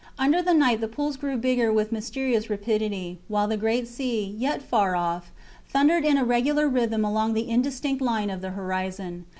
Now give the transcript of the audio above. Under the night the pools grew bigger with mysterious rapidity, while the great sea, yet far off, thundered in a regular rhythm along the indistinct line of the horizon.